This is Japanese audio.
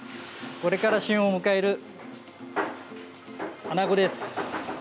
これから旬を迎えるアナゴです。